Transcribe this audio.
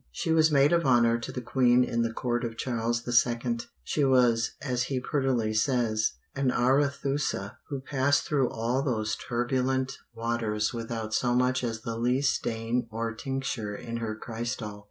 She was Maid of Honour to the Queen in the Court of Charles II. She was, as he prettily says, an Arethusa "who passed through all those turbulent waters without so much as the least stain or tincture in her christall."